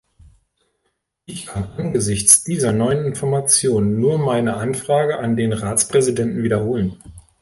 Ich kann angesichts dieser neuen Informationen nur meine Anfrage an den Ratspräsidenten wiederholen.